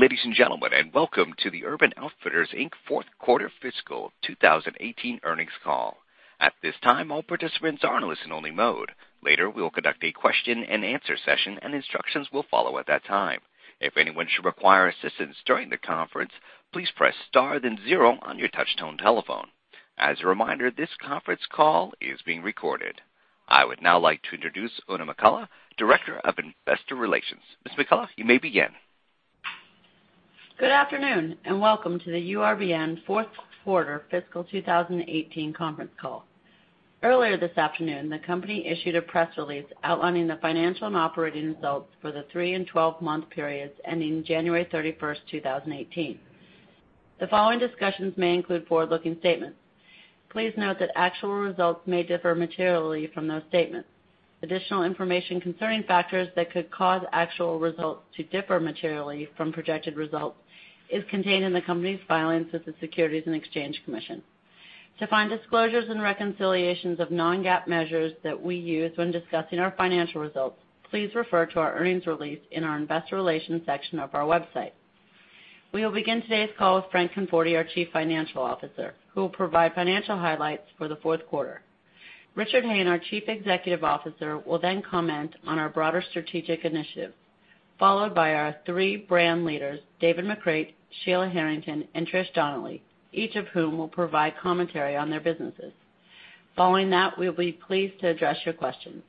Ladies and gentlemen, welcome to the Urban Outfitters Inc. fourth quarter fiscal 2018 earnings call. At this time, all participants are in a listen only mode. Later, we will conduct a question and answer session. Instructions will follow at that time. If anyone should require assistance during the conference, please press star then zero on your touch tone telephone. As a reminder, this conference call is being recorded. I would now like to introduce Oona McCullough, Director of Investor Relations. Ms. McCullough, you may begin. Good afternoon, welcome to the URBN fourth quarter fiscal 2018 conference call. Earlier this afternoon, the company issued a press release outlining the financial and operating results for the three and 12-month periods ending January 31st, 2018. The following discussions may include forward-looking statements. Please note that actual results may differ materially from those statements. Additional information concerning factors that could cause actual results to differ materially from projected results is contained in the company's filings with the Securities and Exchange Commission. To find disclosures and reconciliations of non-GAAP measures that we use when discussing our financial results, please refer to our earnings release in our investor relations section of our website. We will begin today's call with Frank Conforti, our Chief Financial Officer, who will provide financial highlights for the fourth quarter. Richard Hayne, our Chief Executive Officer, will comment on our broader strategic initiative, followed by our three brand leaders, David McCreight, Sheila Harrington, and Trish Donnelly, each of whom will provide commentary on their businesses. Following that, we'll be pleased to address your questions.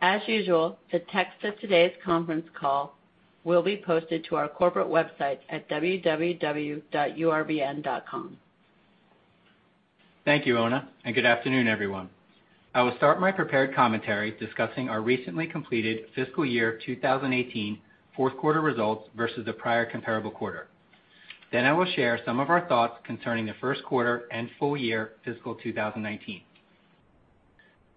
As usual, the text of today's conference call will be posted to our corporate website at www.urbn.com. Thank you, Oona. Good afternoon, everyone. I will start my prepared commentary discussing our recently completed fiscal year 2018 fourth quarter results versus the prior comparable quarter. I will share some of our thoughts concerning the first quarter and full year fiscal 2019.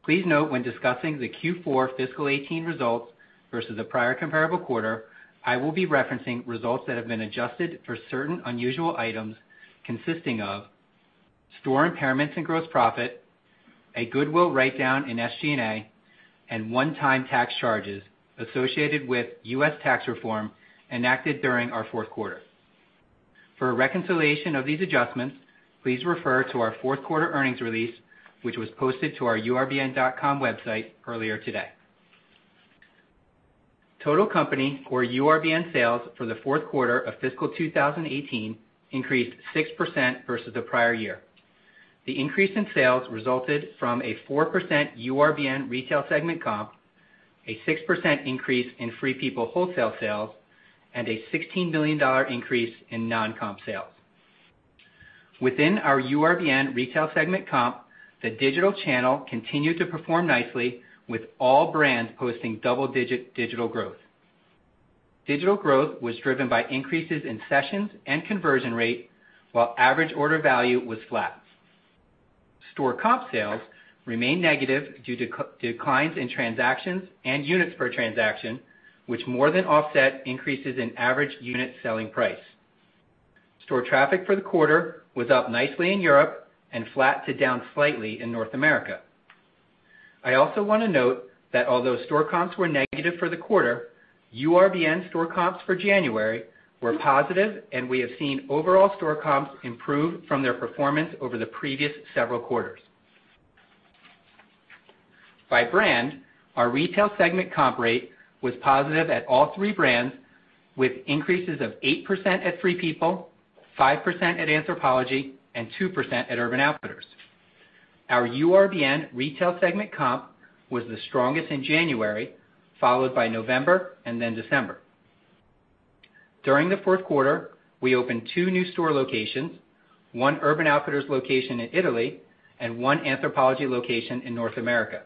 Please note when discussing the Q4 fiscal '18 results versus the prior comparable quarter, I will be referencing results that have been adjusted for certain unusual items, consisting of store impairments and gross profit, a goodwill writedown in SG&A, and one-time tax charges associated with U.S. tax reform enacted during our fourth quarter. For a reconciliation of these adjustments, please refer to our fourth quarter earnings release, which was posted to our urbn.com website earlier today. Total company or URBN sales for the fourth quarter of fiscal 2018 increased 6% versus the prior year. The increase in sales resulted from a 4% URBN retail segment comp, a 6% increase in Free People wholesale sales, and a $16 million increase in non-comp sales. Within our URBN retail segment comp, the digital channel continued to perform nicely, with all brands posting double-digit digital growth. Digital growth was driven by increases in sessions and conversion rate, while average order value was flat. Store comp sales remained negative due to declines in transactions and units per transaction, which more than offset increases in average unit selling price. Store traffic for the quarter was up nicely in Europe and flat to down slightly in North America. I also want to note that although store comps were negative for the quarter, URBN store comps for January were positive, and we have seen overall store comps improve from their performance over the previous several quarters. By brand, our retail segment comp rate was positive at all three brands, with increases of 8% at Free People, 5% at Anthropologie, and 2% at Urban Outfitters. Our URBN retail segment comp was the strongest in January, followed by November and then December. During the fourth quarter, we opened two new store locations, one Urban Outfitters location in Italy and one Anthropologie location in North America.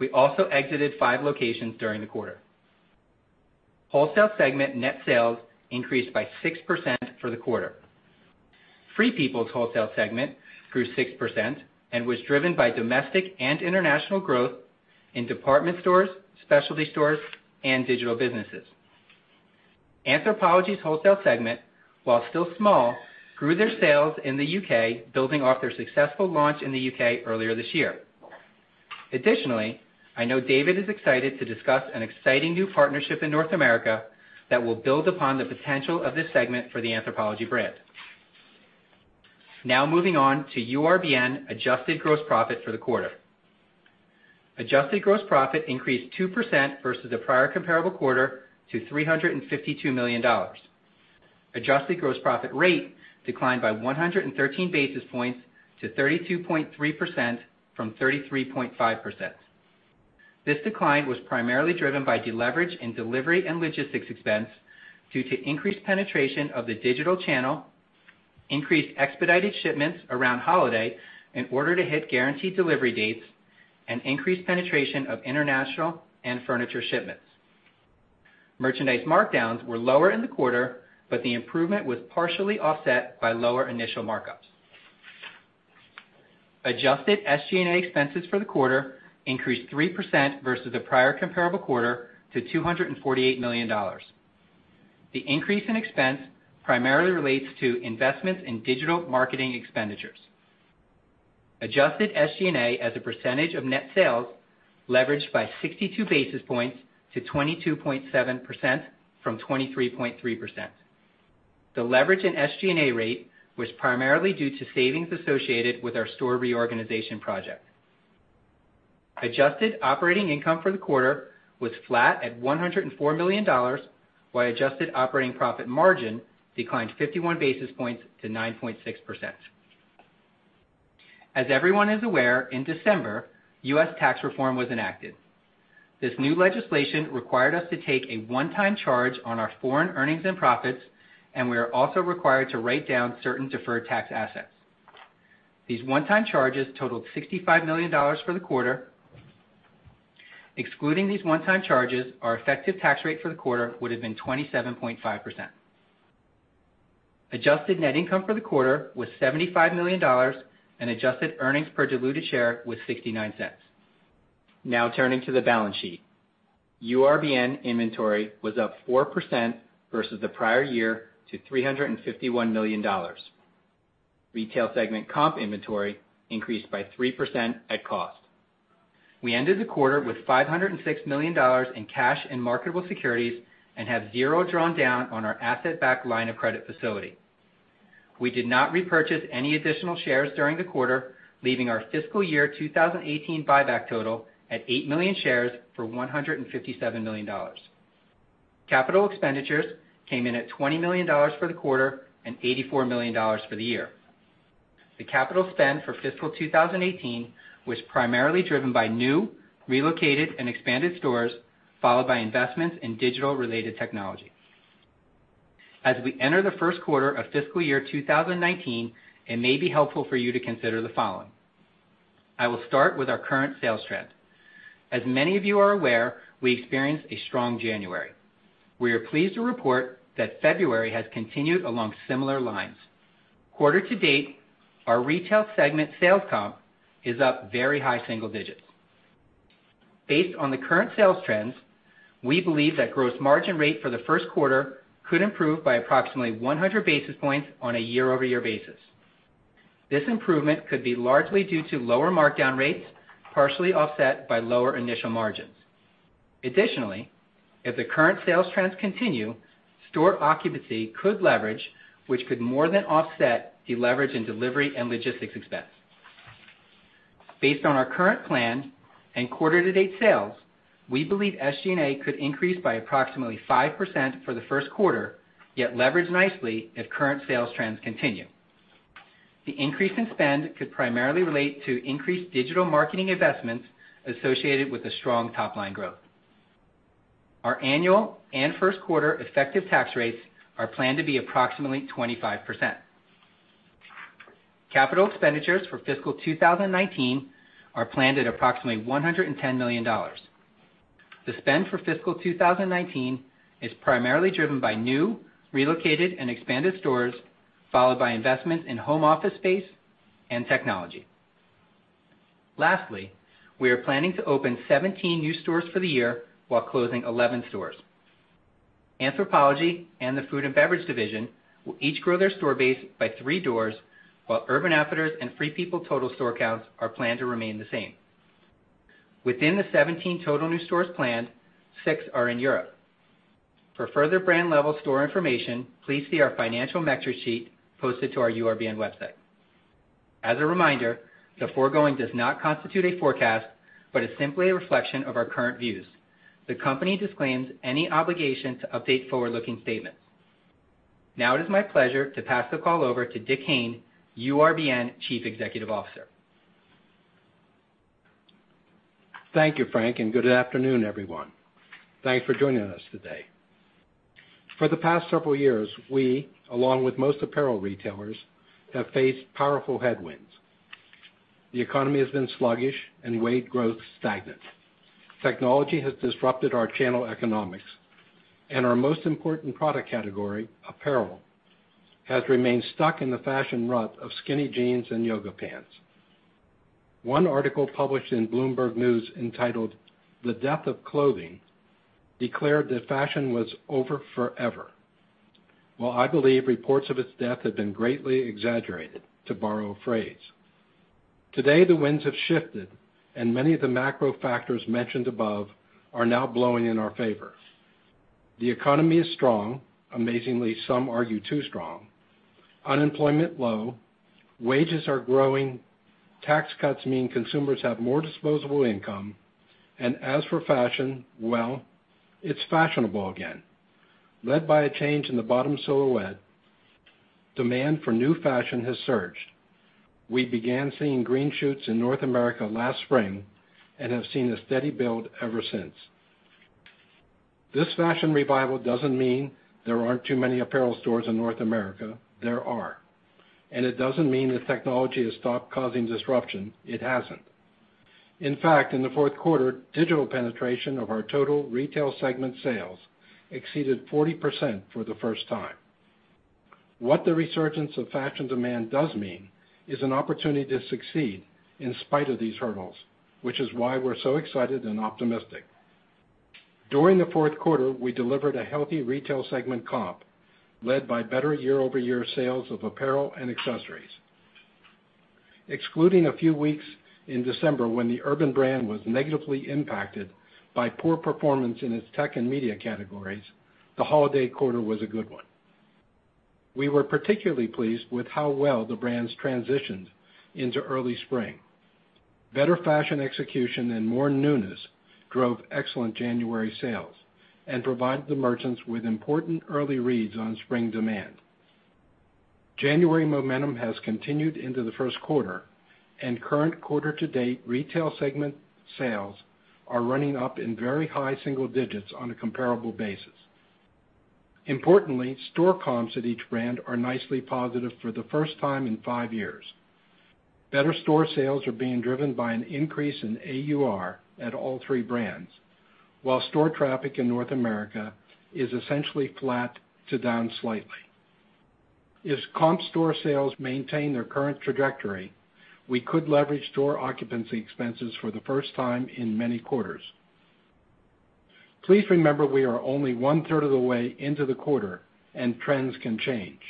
We also exited five locations during the quarter. Wholesale segment net sales increased by 6% for the quarter. Free People's wholesale segment grew 6% and was driven by domestic and international growth in department stores, specialty stores, and digital businesses. Anthropologie's wholesale segment, while still small, grew their sales in the U.K., building off their successful launch in the U.K. earlier this year. I know David is excited to discuss an exciting new partnership in North America that will build upon the potential of this segment for the Anthropologie brand. Moving on to URBN adjusted gross profit for the quarter. Adjusted gross profit increased 2% versus the prior comparable quarter to $352 million. Adjusted gross profit rate declined by 113 basis points to 32.3% from 33.5%. This decline was primarily driven by deleverage in delivery and logistics expense due to increased penetration of the digital channel, increased expedited shipments around holiday in order to hit guaranteed delivery dates, and increased penetration of international and furniture shipments. Merchandise markdowns were lower in the quarter, but the improvement was partially offset by lower initial markups. Adjusted SG&A expenses for the quarter increased 3% versus the prior comparable quarter to $248 million. The increase in expense primarily relates to investments in digital marketing expenditures. Adjusted SG&A as a percentage of net sales leveraged by 62 basis points to 22.7% from 23.3%. The leverage in SG&A rate was primarily due to savings associated with our store reorganization project. Adjusted operating income for the quarter was flat at $104 million, while adjusted operating profit margin declined 51 basis points to 9.6%. Everyone is aware, in December, U.S. tax reform was enacted. This new legislation required us to take a one-time charge on our foreign earnings and profits, and we are also required to write down certain deferred tax assets. These one-time charges totaled $65 million for the quarter. Excluding these one-time charges, our effective tax rate for the quarter would've been 27.5%. Adjusted net income for the quarter was $75 million, and adjusted earnings per diluted share was $0.69. Turning to the balance sheet. URBN inventory was up 4% versus the prior year to $351 million. Retail segment comp inventory increased by 3% at cost. We ended the quarter with $506 million in cash and marketable securities and have zero drawn down on our asset-backed line of credit facility. We did not repurchase any additional shares during the quarter, leaving our fiscal year 2018 buyback total at eight million shares for $157 million. Capital expenditures came in at $20 million for the quarter and $84 million for the year. The capital spend for fiscal 2018 was primarily driven by new, relocated, and expanded stores, followed by investments in digital-related technology. As we enter the first quarter of fiscal year 2019, it may be helpful for you to consider the following. I will start with our current sales trend. As many of you are aware, we experienced a strong January. We are pleased to report that February has continued along similar lines. Quarter to date, our retail segment sales comp is up very high single digits. Based on the current sales trends, we believe that gross margin rate for the first quarter could improve by approximately 100 basis points on a year-over-year basis. This improvement could be largely due to lower markdown rates, partially offset by lower initial margins. Additionally, if the current sales trends continue, store occupancy could leverage, which could more than offset the leverage in delivery and logistics expense. Based on our current plan and quarter-to-date sales, we believe SG&A could increase by approximately 5% for the first quarter, yet leverage nicely if current sales trends continue. The increase in spend could primarily relate to increased digital marketing investments associated with the strong top-line growth. Our annual and first quarter effective tax rates are planned to be approximately 25%. Capital expenditures for fiscal 2019 are planned at approximately $110 million. The spend for fiscal 2019 is primarily driven by new, relocated, and expanded stores, followed by investments in home office space and technology. Lastly, we are planning to open 17 new stores for the year while closing 11 stores. Anthropologie and the food and beverage division will each grow their store base by three doors, while Urban Outfitters and Free People total store counts are planned to remain the same. Within the 17 total new stores planned, six are in Europe. For further brand-level store information, please see our financial metrics sheet posted to our urbn website. As a reminder, the foregoing does not constitute a forecast, but is simply a reflection of our current views. The company disclaims any obligation to update forward-looking statements. Now it is my pleasure to pass the call over to Dick Hayne, URBN Chief Executive Officer. Thank you, Frank, and good afternoon, everyone. Thanks for joining us today. For the past several years, we, along with most apparel retailers, have faced powerful headwinds. The economy has been sluggish and wage growth stagnant. Technology has disrupted our channel economics. Our most important product category, apparel, has remained stuck in the fashion rut of skinny jeans and yoga pants. One article published in "Bloomberg News" entitled "The Death of Clothing," declared that fashion was over forever, while I believe reports of its death have been greatly exaggerated, to borrow a phrase. Today, the winds have shifted and many of the macro factors mentioned above are now blowing in our favor. The economy is strong, amazingly, some argue too strong, unemployment low, wages are growing, tax cuts mean consumers have more disposable income. As for fashion, well, it's fashionable again. Led by a change in the bottom silhouette, demand for new fashion has surged. We began seeing green shoots in North America last spring and have seen a steady build ever since. This fashion revival doesn't mean there aren't too many apparel stores in North America. There are. It doesn't mean that technology has stopped causing disruption. It hasn't. In fact, in the fourth quarter, digital penetration of our total retail segment sales exceeded 40% for the first time. What the resurgence of fashion demand does mean is an opportunity to succeed in spite of these hurdles, which is why we're so excited and optimistic. During the fourth quarter, we delivered a healthy retail segment comp led by better year-over-year sales of apparel and accessories. Excluding a few weeks in December when the Urban brand was negatively impacted by poor performance in its tech and media categories, the holiday quarter was a good one. We were particularly pleased with how well the brands transitioned into early spring. Better fashion execution and more newness drove excellent January sales and provided the merchants with important early reads on spring demand. January momentum has continued into the first quarter and current quarter to date retail segment sales are running up in very high single digits on a comparable basis. Importantly, store comps at each brand are nicely positive for the first time in five years. Better store sales are being driven by an increase in AUR at all three brands, while store traffic in North America is essentially flat to down slightly. If comp store sales maintain their current trajectory, we could leverage store occupancy expenses for the first time in many quarters. Please remember, we are only one-third of the way into the quarter, and trends can change.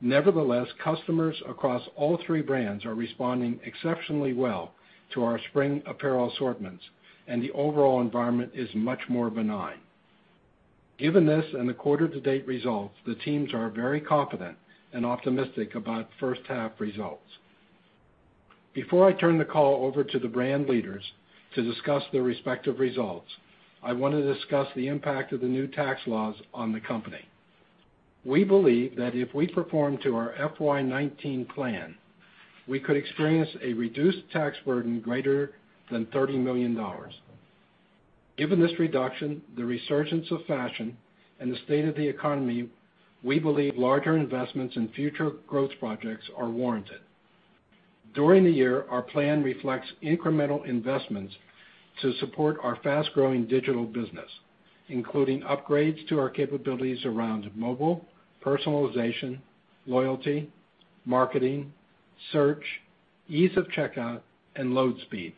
Nevertheless, customers across all three brands are responding exceptionally well to our spring apparel assortments, and the overall environment is much more benign. Given this and the quarter to date results, the teams are very confident and optimistic about first-half results. Before I turn the call over to the brand leaders to discuss their respective results, I want to discuss the impact of the new tax laws on the company. We believe that if we perform to our FY 2019 plan, we could experience a reduced tax burden greater than $30 million. Given this reduction, the resurgence of fashion, and the state of the economy, we believe larger investments in future growth projects are warranted. During the year, our plan reflects incremental investments to support our fast-growing digital business, including upgrades to our capabilities around mobile, personalization, loyalty, marketing, search, ease of checkout, and load speeds.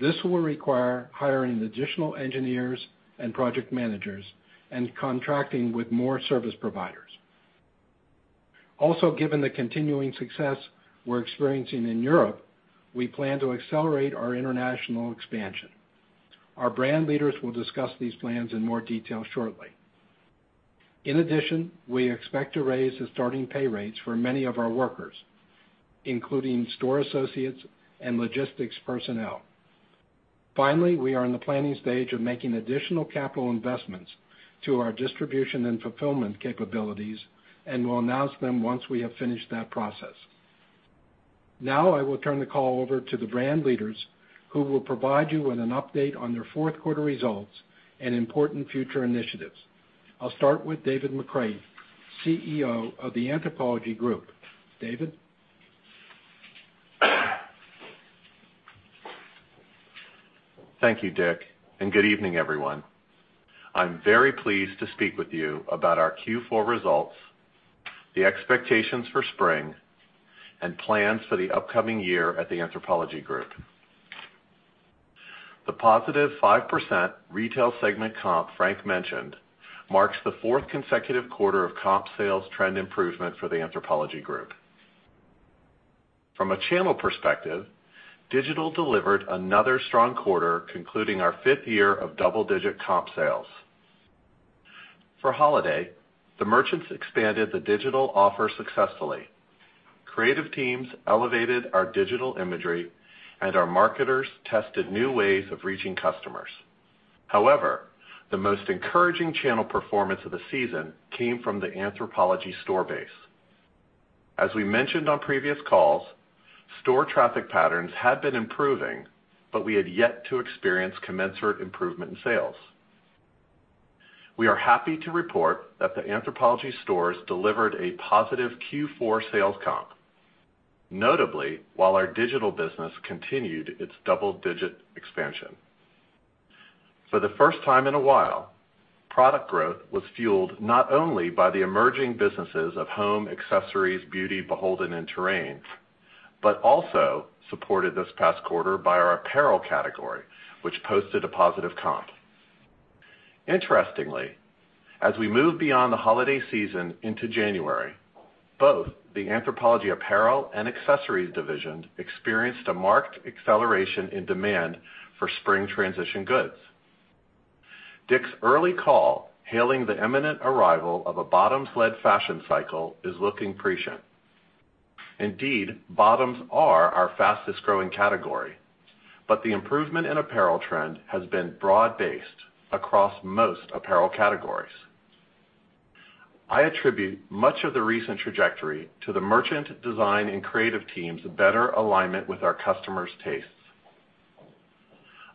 This will require hiring additional engineers and project managers and contracting with more service providers. Also, given the continuing success we're experiencing in Europe, we plan to accelerate our international expansion. Our brand leaders will discuss these plans in more detail shortly. In addition, we expect to raise the starting pay rates for many of our workers, including store associates and logistics personnel. Finally, we are in the planning stage of making additional capital investments to our distribution and fulfillment capabilities and will announce them once we have finished that process. I will turn the call over to the brand leaders who will provide you with an update on their fourth quarter results and important future initiatives. I'll start with David McCreight, CEO of the Anthropologie Group. David. Thank you, Dick, good evening, everyone. I'm very pleased to speak with you about our Q4 results, the expectations for spring, and plans for the upcoming year at the Anthropologie Group. The positive 5% retail segment comp Frank mentioned marks the fourth consecutive quarter of comp sales trend improvement for the Anthropologie Group. From a channel perspective, digital delivered another strong quarter concluding our fifth year of double-digit comp sales. For holiday, the merchants expanded the digital offer successfully. Creative teams elevated our digital imagery, and our marketers tested new ways of reaching customers. The most encouraging channel performance of the season came from the Anthropologie store base. As we mentioned on previous calls, store traffic patterns had been improving, we had yet to experience commensurate improvement in sales. We are happy to report that the Anthropologie stores delivered a positive Q4 sales comp, notably while our digital business continued its double-digit expansion. For the first time in a while, product growth was fueled not only by the emerging businesses of home accessories, beauty, BHLDN, and Terrain, also supported this past quarter by our apparel category, which posted a positive comp. As we move beyond the holiday season into January, both the Anthropologie apparel and accessories division experienced a marked acceleration in demand for spring transition goods. Dick's early call hailing the imminent arrival of a bottoms-led fashion cycle is looking prescient. Bottoms are our fastest-growing category, the improvement in apparel trend has been broad-based across most apparel categories. I attribute much of the recent trajectory to the merchant design and creative teams' better alignment with our customers' tastes.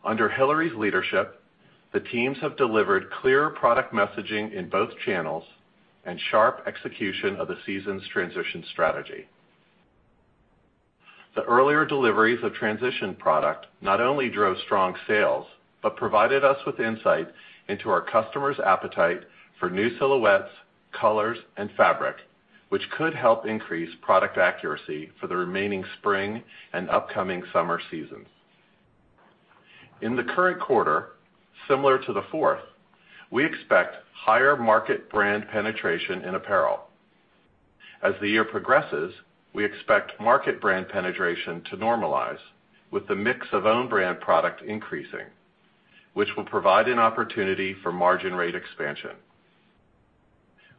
Under Hillary’s leadership, the teams have delivered clear product messaging in both channels and sharp execution of the season’s transition strategy. The earlier deliveries of transition product not only drove strong sales but provided us with insight into our customers’ appetite for new silhouettes, colors, and fabric, which could help increase product accuracy for the remaining spring and upcoming summer seasons. In the current quarter, similar to the fourth, we expect higher market brand penetration in apparel. As the year progresses, we expect market brand penetration to normalize with the mix of own brand product increasing, which will provide an opportunity for margin rate expansion.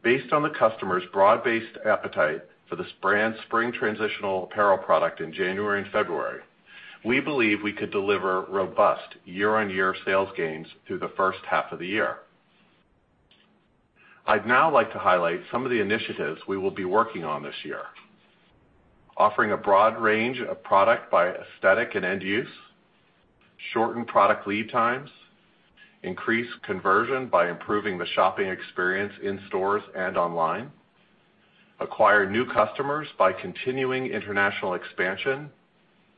Based on the customer’s broad-based appetite for this brand’s spring transitional apparel product in January and February, we believe we could deliver robust year-on-year sales gains through the first half of the year. I’d now like to highlight some of the initiatives we will be working on this year. Offering a broad range of product by aesthetic and end use, shorten product lead times, increase conversion by improving the shopping experience in stores and online, acquire new customers by continuing international expansion.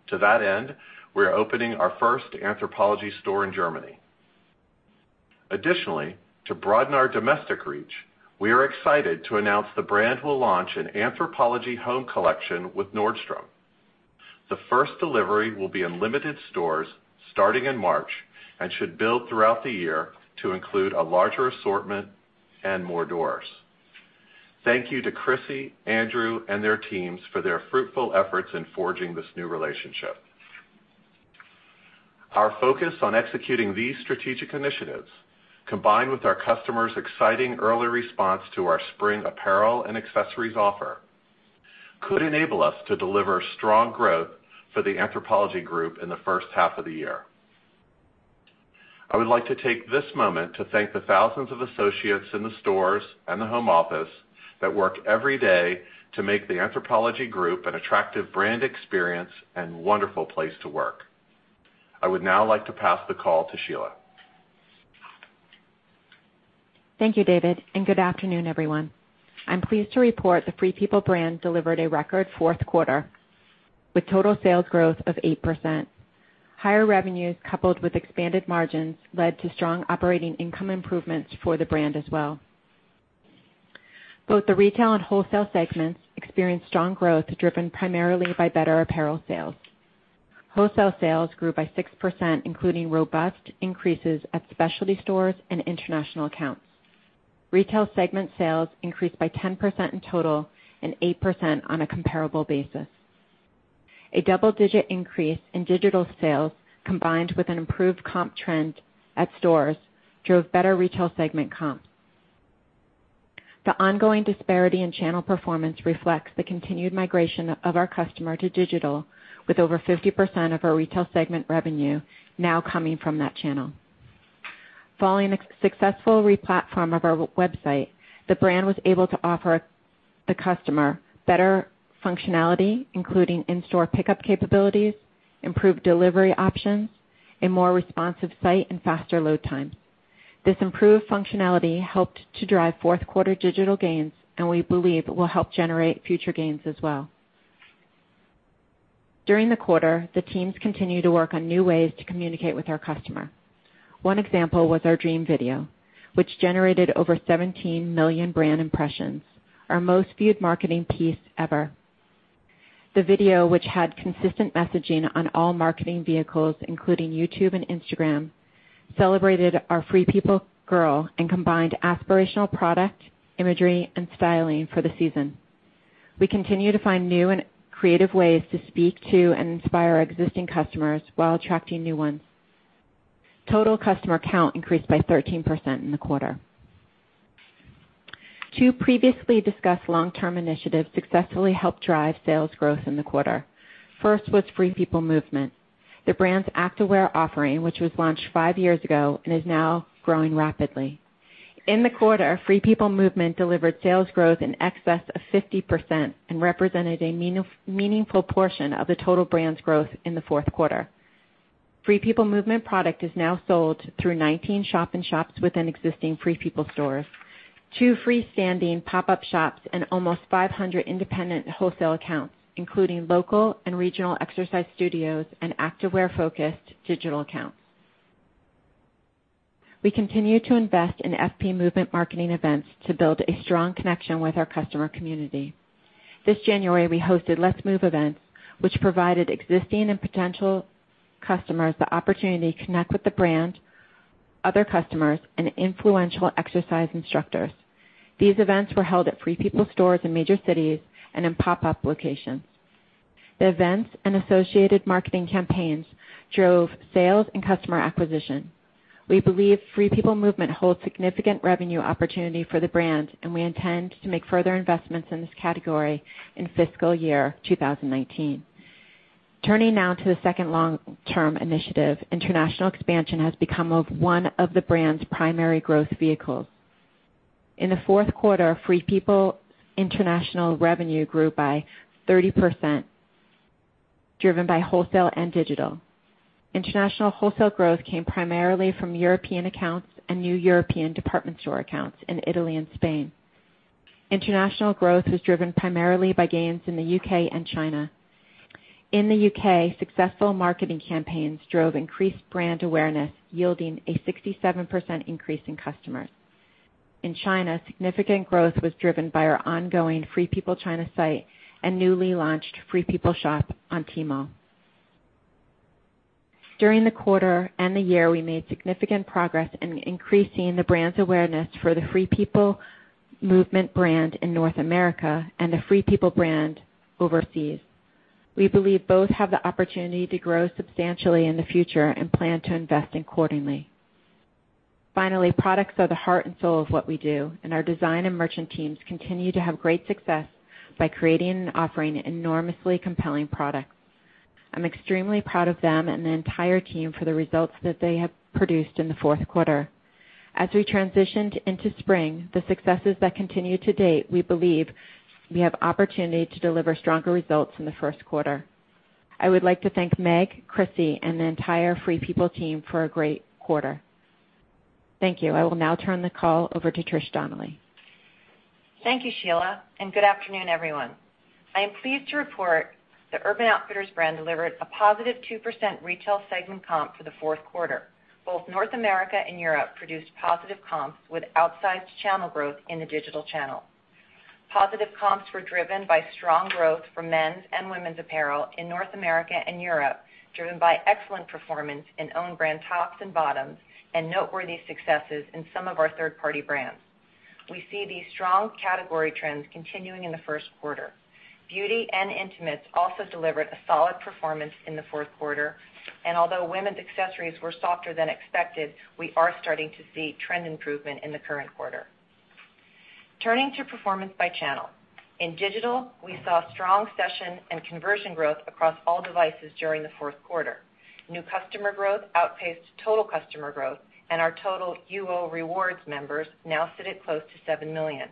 To that end, we are opening our first Anthropologie store in Germany. Additionally, to broaden our domestic reach, we are excited to announce the brand will launch an Anthropologie home collection with Nordstrom. The first delivery will be in limited stores starting in March and should build throughout the year to include a larger assortment and more doors. Thank you to Krissy, Andrew, and their teams for their fruitful efforts in forging this new relationship. Our focus on executing these strategic initiatives, combined with our customers’ exciting early response to our spring apparel and accessories offer, could enable us to deliver strong growth for the Anthropologie Group in the first half of the year. I would like to take this moment to thank the thousands of associates in the stores and the home office that work every day to make the Anthropologie Group an attractive brand experience and wonderful place to work. I would now like to pass the call to Sheila. Thank you, David, and good afternoon, everyone. I’m pleased to report the Free People brand delivered a record fourth quarter with total sales growth of 8%. Higher revenues coupled with expanded margins led to strong operating income improvements for the brand as well. Both the retail and wholesale segments experienced strong growth, driven primarily by better apparel sales. Wholesale sales grew by 6%, including robust increases at specialty stores and international accounts. Retail segment sales increased by 10% in total and 8% on a comparable basis. A double-digit increase in digital sales, combined with an improved comp trend at stores, drove better retail segment comps. The ongoing disparity in channel performance reflects the continued migration of our customer to digital, with over 50% of our retail segment revenue now coming from that channel. Following a successful re-platform of our website, the brand was able to offer the customer better functionality, including in-store pickup capabilities, improved delivery options, a more responsive site, and faster load times. This improved functionality helped to drive fourth-quarter digital gains, and we believe it will help generate future gains as well. During the quarter, the teams continued to work on new ways to communicate with our customer. One example was our Dream video, which generated over 17 million brand impressions, our most viewed marketing piece ever. The video, which had consistent messaging on all marketing vehicles, including YouTube and Instagram, celebrated our Free People girl and combined aspirational product, imagery, and styling for the season. We continue to find new and creative ways to speak to and inspire our existing customers while attracting new ones. Total customer count increased by 13% in the quarter. Two previously discussed long-term initiatives successfully helped drive sales growth in the quarter. First was Free People Movement, the brand's activewear offering, which was launched five years ago and is now growing rapidly. In the quarter, Free People Movement delivered sales growth in excess of 50% and represented a meaningful portion of the total brand's growth in the fourth quarter. Free People Movement product is now sold through 19 shop-in-shops within existing Free People stores, two freestanding pop-up shops, and almost 500 independent wholesale accounts, including local and regional exercise studios and activewear-focused digital accounts. We continue to invest in FP Movement marketing events to build a strong connection with our customer community. This January, we hosted Let's Move events, which provided existing and potential customers the opportunity to connect with the brand, other customers, and influential exercise instructors. These events were held at Free People stores in major cities and in pop-up locations. The events and associated marketing campaigns drove sales and customer acquisition. We believe Free People Movement holds significant revenue opportunity for the brand, and we intend to make further investments in this category in fiscal year 2019. Turning now to the second long-term initiative, international expansion has become one of the brand's primary growth vehicles. In the fourth quarter, Free People international revenue grew by 30%, driven by wholesale and digital. International wholesale growth came primarily from European accounts and new European department store accounts in Italy and Spain. International growth was driven primarily by gains in the U.K. and China. In the U.K., successful marketing campaigns drove increased brand awareness, yielding a 67% increase in customers. In China, significant growth was driven by our ongoing Free People China site and newly launched Free People shop on Tmall. During the quarter and the year, we made significant progress in increasing the brand's awareness for the Free People Movement brand in North America and the Free People brand overseas. We believe both have the opportunity to grow substantially in the future and plan to invest accordingly. Finally, products are the heart and soul of what we do, and our design and merchant teams continue to have great success by creating and offering enormously compelling products. I'm extremely proud of them and the entire team for the results that they have produced in the fourth quarter. As we transitioned into spring, the successes that continue to date, we believe we have opportunity to deliver stronger results in the first quarter. I would like to thank Meg, Krissy, and the entire Free People team for a great quarter. Thank you. I will now turn the call over to Trish Donnelly. Thank you, Sheila, and good afternoon, everyone. I am pleased to report the Urban Outfitters brand delivered a positive 2% retail segment comp for the fourth quarter. Both North America and Europe produced positive comps with outsized channel growth in the digital channel. Positive comps were driven by strong growth from men's and women's apparel in North America and Europe, driven by excellent performance in own brand tops and bottoms, and noteworthy successes in some of our third-party brands. We see these strong category trends continuing in the first quarter. Beauty and intimates also delivered a solid performance in the fourth quarter. Although women's accessories were softer than expected, we are starting to see trend improvement in the current quarter. Turning to performance by channel. In digital, we saw strong session and conversion growth across all devices during the fourth quarter. New customer growth outpaced total customer growth, our total UO Rewards members now sit at close to 7 million.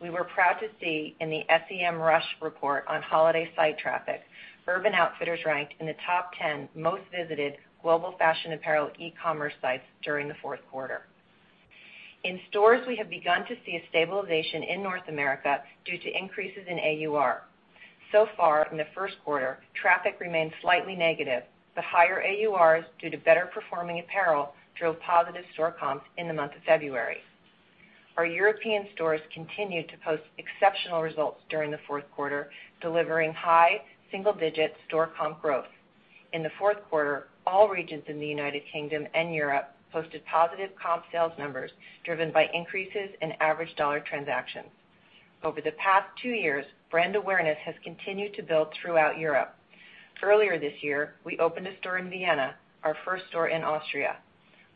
We were proud to see in the Semrush report on holiday site traffic, Urban Outfitters ranked in the top 10 most visited global fashion apparel e-commerce sites during the fourth quarter. In stores, we have begun to see a stabilization in North America due to increases in AUR. So far in the first quarter, traffic remained slightly negative, but higher AURs, due to better-performing apparel, drove positive store comps in the month of February. Our European stores continued to post exceptional results during the fourth quarter, delivering high single-digit store comp growth. In the fourth quarter, all regions in the U.K. and Europe posted positive comp sales numbers, driven by increases in average dollar transactions. Over the past 2 years, brand awareness has continued to build throughout Europe. Earlier this year, we opened a store in Vienna, our first store in Austria.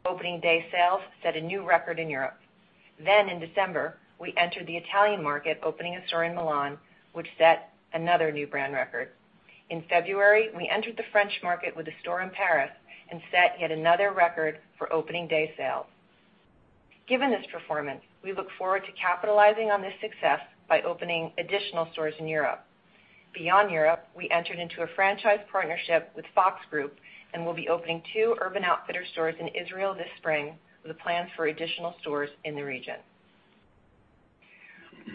Opening day sales set a new record in Europe. In December, we entered the Italian market, opening a store in Milan, which set another new brand record. In February, we entered the French market with a store in Paris and set yet another record for opening day sales. Given this performance, we look forward to capitalizing on this success by opening additional stores in Europe. Beyond Europe, we entered into a franchise partnership with Fox Group and will be opening 2 Urban Outfitters stores in Israel this spring with plans for additional stores in the region.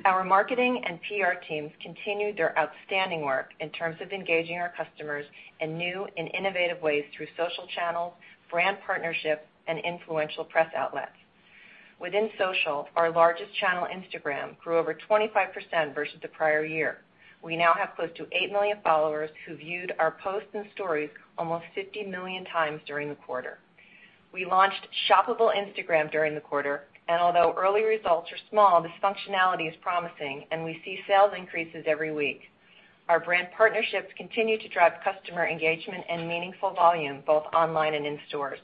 Our marketing and PR teams continued their outstanding work in terms of engaging our customers in new and innovative ways through social channels, brand partnerships, and influential press outlets. Within social, our largest channel, Instagram, grew over 25% versus the prior year. We now have close to 8 million followers who viewed our posts and stories almost 50 million times during the quarter. We launched shoppable Instagram during the quarter, and although early results are small, this functionality is promising, and we see sales increases every week. Our brand partnerships continue to drive customer engagement and meaningful volume, both online and in stores.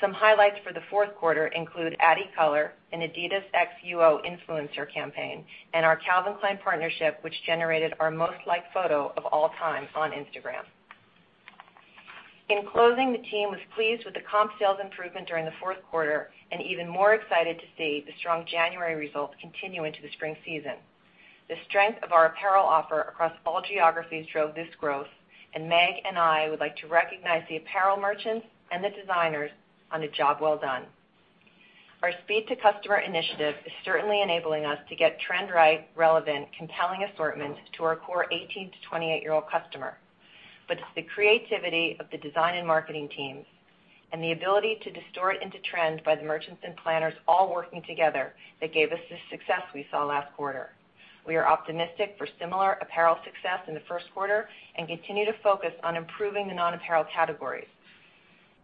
Some highlights for the fourth quarter include adicolor, an adidas X UO influencer campaign, and our Calvin Klein partnership, which generated our most liked photo of all time on Instagram. In closing, the team was pleased with the comp sales improvement during the fourth quarter and even more excited to see the strong January results continue into the spring season. The strength of our apparel offer across all geographies drove this growth. Meg and I would like to recognize the apparel merchants and the designers on a job well done. Our speed to customer initiative is certainly enabling us to get trend-right, relevant, compelling assortment to our core 18-to-28-year-old customer. It's the creativity of the design and marketing teams and the ability to distort into trend by the merchants and planners all working together that gave us the success we saw last quarter. We are optimistic for similar apparel success in the first quarter and continue to focus on improving the non-apparel categories.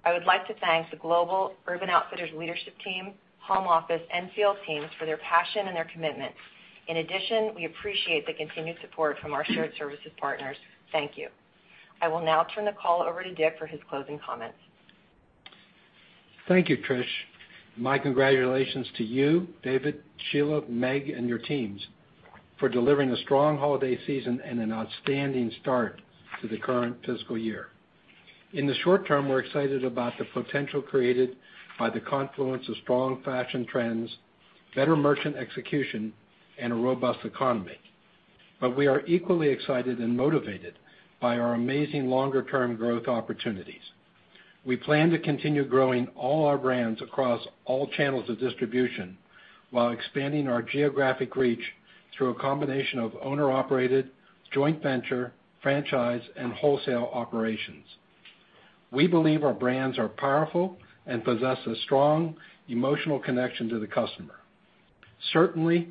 I would like to thank the global Urban Outfitters leadership team, home office, and field teams for their passion and their commitment. In addition, we appreciate the continued support from our shared services partners. Thank you. I will now turn the call over to Dick for his closing comments. Thank you, Trish. My congratulations to you, David, Sheila, Meg, and your teams for delivering a strong holiday season and an outstanding start to the current fiscal year. In the short term, we're excited about the potential created by the confluence of strong fashion trends, better merchant execution, and a robust economy. We are equally excited and motivated by our amazing longer-term growth opportunities. We plan to continue growing all our brands across all channels of distribution while expanding our geographic reach through a combination of owner-operated, joint venture, franchise, and wholesale operations. We believe our brands are powerful and possess a strong emotional connection to the customer. Certainly,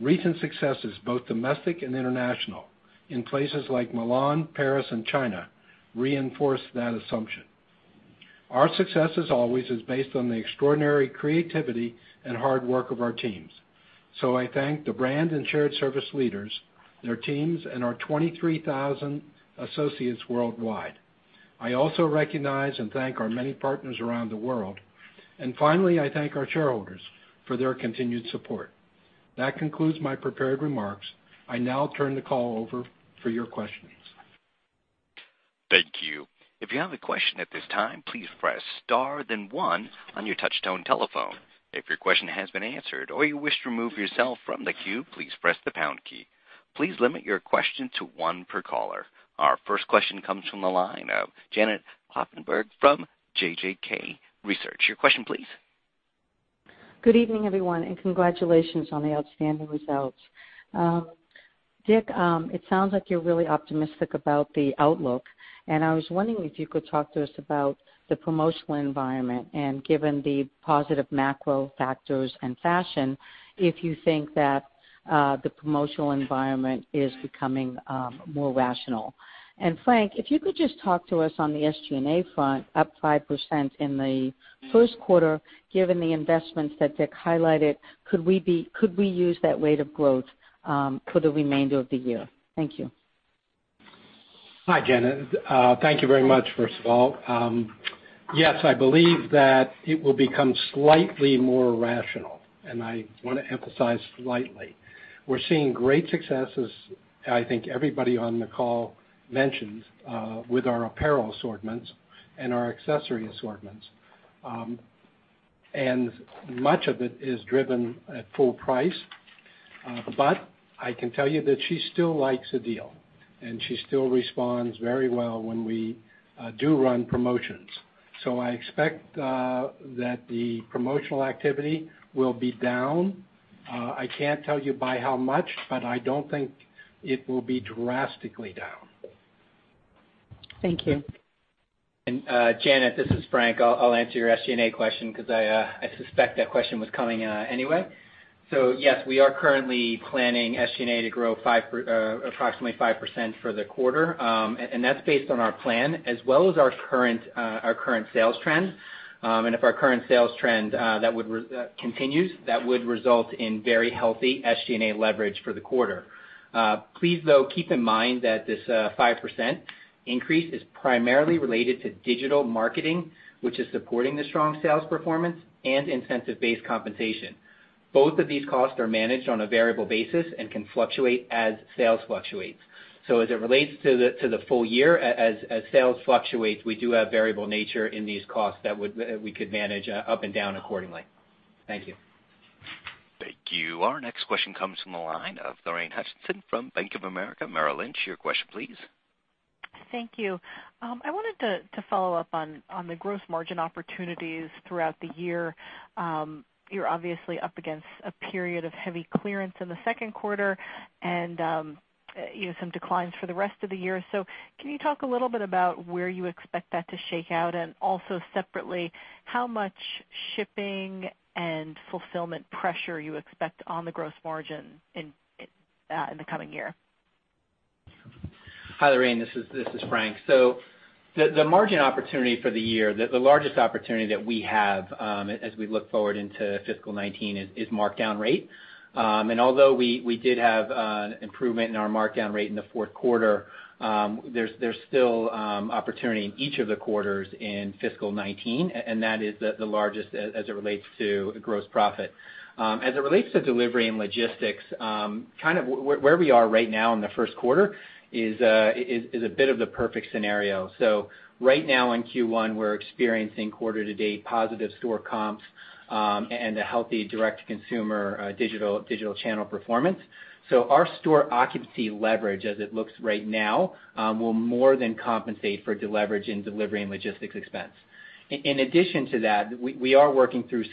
recent successes, both domestic and international, in places like Milan, Paris, and China, reinforce that assumption. Our success, as always, is based on the extraordinary creativity and hard work of our teams. I thank the brand and shared service leaders, their teams, and our 23,000 associates worldwide. I also recognize and thank our many partners around the world. Finally, I thank our shareholders for their continued support. That concludes my prepared remarks. I now turn the call over for your questions. Thank you. If you have a question at this time, please press star then one on your touch-tone telephone. If your question has been answered or you wish to remove yourself from the queue, please press the pound key. Please limit your question to one per caller. Our first question comes from the line of Janet Kloppenburg from JJK Research. Your question, please. Good evening, everyone, congratulations on the outstanding results. Dick, it sounds like you're really optimistic about the outlook, I was wondering if you could talk to us about the promotional environment and, given the positive macro factors in fashion, if you think that the promotional environment is becoming more rational. Frank, if you could just talk to us on the SG&A front, up 5% in the first quarter. Given the investments that Dick highlighted, could we use that rate of growth for the remainder of the year? Thank you. Hi, Janet. Thank you very much, first of all. Yes, I believe that it will become slightly more rational, I want to emphasize slightly. We're seeing great successes, I think everybody on the call mentioned, with our apparel assortments and our accessory assortments. Much of it is driven at full price. I can tell you that she still likes a deal, she still responds very well when we do run promotions. I expect that the promotional activity will be down. I can't tell you by how much, but I don't think it will be drastically down. Thank you. Janet, this is Frank. I'll answer your SG&A question because I suspect that question was coming anyway. Yes, we are currently planning SG&A to grow approximately 5% for the quarter. That's based on our plan as well as our current sales trend. If our current sales trend continues, that would result in very healthy SG&A leverage for the quarter. Please, though, keep in mind that this 5% increase is primarily related to digital marketing, which is supporting the strong sales performance, and incentive-based compensation. Both of these costs are managed on a variable basis and can fluctuate as sales fluctuates. As it relates to the full year, as sales fluctuates, we do have variable nature in these costs that we could manage up and down accordingly. Thank you. Thank you. Our next question comes from the line of Lorraine Hutchinson from Bank of America Merrill Lynch. Your question, please. Thank you. I wanted to follow up on the gross margin opportunities throughout the year. You're obviously up against a period of heavy clearance in the second quarter and some declines for the rest of the year. Can you talk a little bit about where you expect that to shake out? Also separately, how much shipping and fulfillment pressure you expect on the gross margin in the coming year? Hi, Lorraine, this is Frank. The margin opportunity for the year, the largest opportunity that we have as we look forward into FY '19, is markdown rate. Although we did have an improvement in our markdown rate in the fourth quarter, there is still opportunity in each of the quarters in FY '19, and that is the largest as it relates to gross profit. As it relates to delivery and logistics, where we are right now in the first quarter is a bit of the perfect scenario. Right now in Q1, we are experiencing quarter to date positive store comps and a healthy direct-to-consumer digital channel performance. Our store occupancy leverage, as it looks right now, will more than compensate for deleverage in delivery and logistics expense. In addition to that, we are working through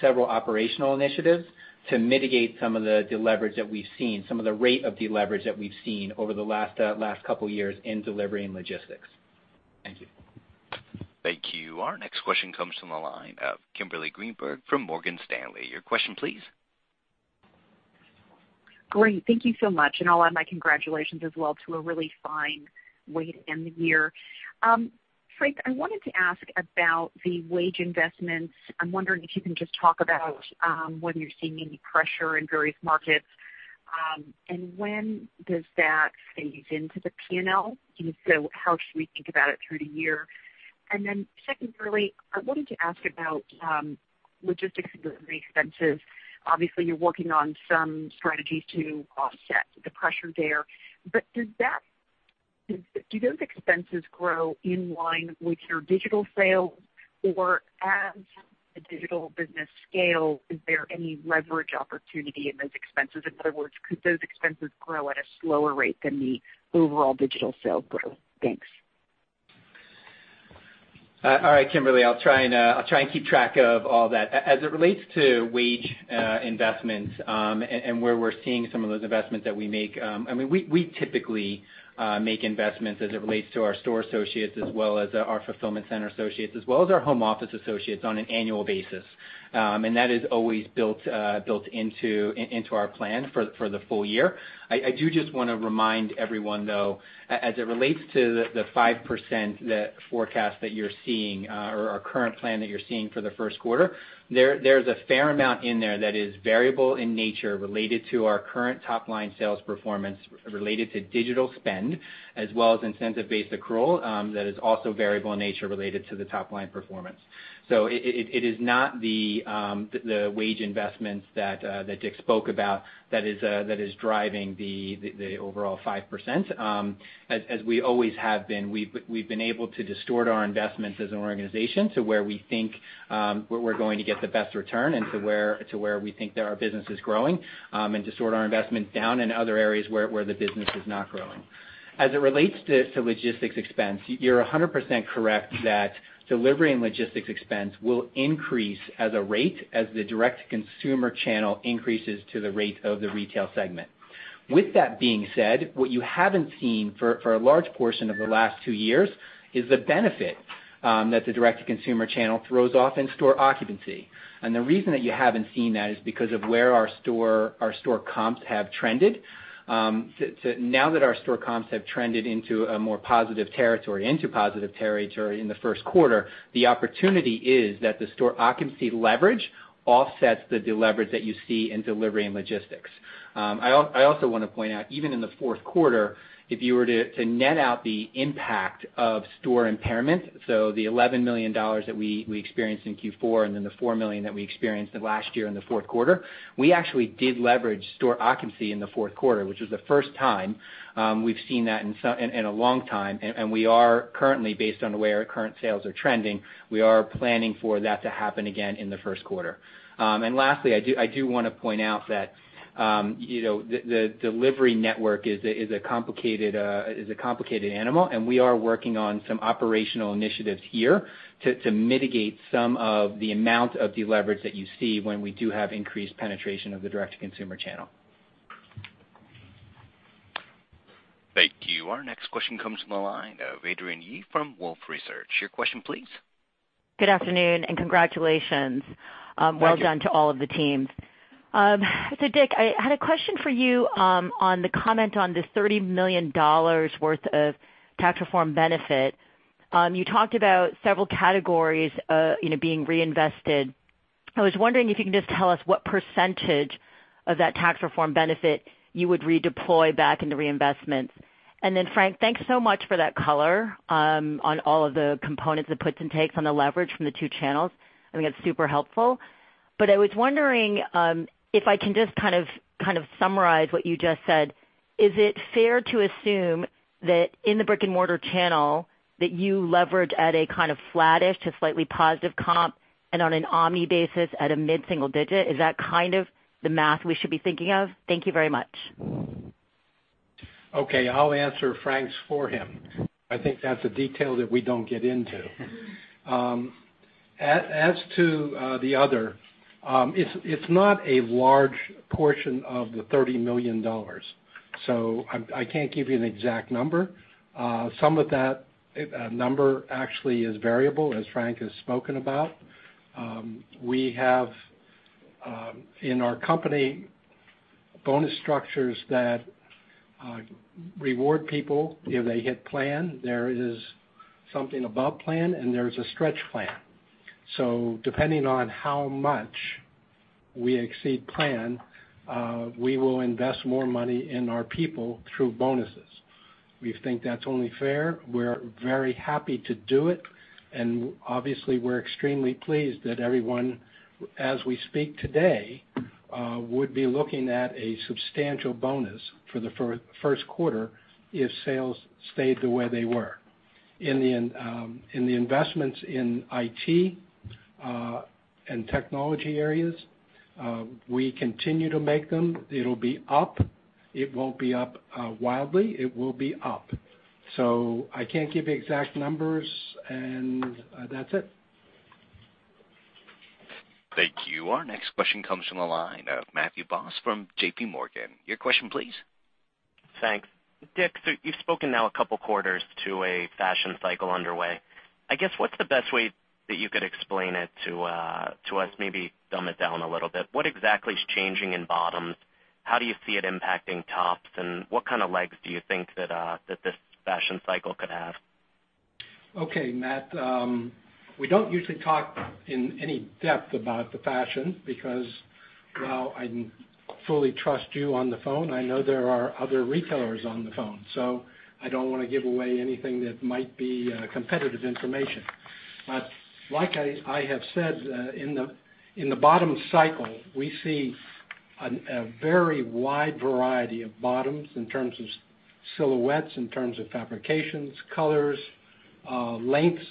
several operational initiatives to mitigate some of the deleverage that we have seen, some of the rate of deleverage that we have seen over the last couple of years in delivery and logistics. Thank you. Thank you. Our next question comes from the line of Kimberly Greenberger from Morgan Stanley. Your question, please. Great. Thank you so much, and I'll add my congratulations as well to a really fine way to end the year. Frank, I wanted to ask about the wage investments. I'm wondering if you can just talk about whether you're seeing any pressure in various markets. When does that phase into the P&L? How should we think about it through the year? Secondly, I wanted to ask about logistics delivery expenses. Obviously, you're working on some strategies to offset the pressure there. Do those expenses grow in line with your digital sales? As the digital business scale, is there any leverage opportunity in those expenses? In other words, could those expenses grow at a slower rate than the overall digital sale grow? Thanks. All right, Kimberly, I'll try and keep track of all that. As it relates to wage investments, and where we're seeing some of those investments that we make, we typically make investments as it relates to our store associates, as well as our fulfillment center associates, as well as our home office associates on an annual basis. That is always built into our plan for the full year. I do just want to remind everyone, though, as it relates to the 5%, the forecast that you're seeing, or our current plan that you're seeing for the first quarter, there's a fair amount in there that is variable in nature related to our current top-line sales performance, related to digital spend, as well as incentive-based accrual, that is also variable in nature related to the top-line performance. It is not the wage investments that Dick spoke about that is driving the overall 5%. As we always have been, we've been able to distort our investments as an organization to where we think where we're going to get the best return and to where we think that our business is growing, and to sort our investment down in other areas where the business is not growing. As it relates to logistics expense, you're 100% correct that delivery and logistics expense will increase as a rate as the direct-to-consumer channel increases to the rate of the retail segment. With that being said, what you haven't seen for a large portion of the last two years is the benefit that the direct-to-consumer channel throws off in store occupancy. The reason that you haven't seen that is because of where our store comps have trended. Now that our store comps have trended into a more positive territory, into positive territory in the first quarter, the opportunity is that the store occupancy leverage offsets the deleverage that you see in delivery and logistics. I also want to point out, even in the fourth quarter, if you were to net out the impact of store impairment, so the $11 million that we experienced in Q4, and then the $4 million that we experienced last year in the fourth quarter, we actually did leverage store occupancy in the fourth quarter, which was the first time we've seen that in a long time, and we are currently, based on the way our current sales are trending, we are planning for that to happen again in the first quarter. Lastly, I do want to point out that the delivery network is a complicated animal, and we are working on some operational initiatives here to mitigate some of the amount of deleverage that you see when we do have increased penetration of the direct-to-consumer channel. Thank you. Our next question comes from the line of Adrienne Yih from Wolfe Research. Your question please. Good afternoon, and congratulations. Thank you. Well done to all of the teams. Dick, I had a question for you on the comment on the $30 million worth of tax reform benefit. You talked about several categories being reinvested. I was wondering if you can just tell us what percentage of that tax reform benefit you would redeploy back into reinvestments. Frank, thanks so much for that color on all of the components, the puts and takes on the leverage from the two channels. I think that's super helpful. I was wondering if I can just kind of summarize what you just said. Is it fair to assume that in the brick-and-mortar channel, that you leverage at a kind of flattish to slightly positive comp and on an omni basis at a mid-single digit, is that kind of the math we should be thinking of? Thank you very much. Okay. I'll answer Frank's for him. I think that's a detail that we don't get into. As to the other, it's not a large portion of the $30 million. I can't give you an exact number. Some of that number actually is variable, as Frank has spoken about. We have in our company bonus structures that reward people if they hit plan. There is something above plan, and there is a stretch plan. Depending on how much we exceed plan, we will invest more money in our people through bonuses. We think that's only fair. We're very happy to do it, and obviously, we're extremely pleased that everyone, as we speak today, would be looking at a substantial bonus for the first quarter if sales stayed the way they were. In the investments in IT and technology areas, we continue to make them. It'll be up. It won't be up wildly. It will be up. I can't give you exact numbers, and that's it. Thank you. Our next question comes from the line of Matthew Boss from JP Morgan. Your question please. Thanks. Dick, you've spoken now a couple of quarters to a fashion cycle underway. I guess what's the best way that you could explain it to us, maybe dumb it down a little bit. What exactly is changing in bottoms? How do you see it impacting tops, and what kind of legs do you think that this fashion cycle could have? Okay, Matt. We don't usually talk in any depth about the fashion because while I fully trust you on the phone, I know there are other retailers on the phone. I don't want to give away anything that might be competitive information. Like I have said, in the bottom cycle, we see a very wide variety of bottoms in terms of silhouettes, in terms of fabrications, colors, lengths,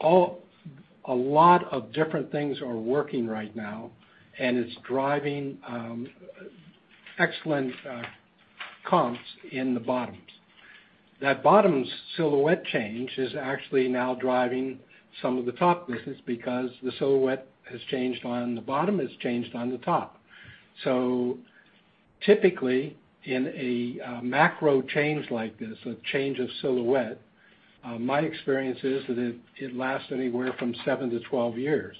a lot of different things are working right now, and it's driving excellent comps in the bottoms. That bottoms silhouette change is actually now driving some of the top business because the silhouette has changed on the bottom, it's changed on the top. Typically, in a macro change like this, a change of silhouette, my experience is that it lasts anywhere from 7-12 years.